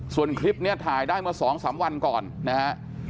ส่วนคลิปนี้ถ่ายได้เมื่อ๒๓วันก่อนนะฮะ